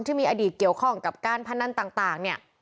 ที่มีอดีตเกี่ยวข้องกับการพนันต่างเนี่ย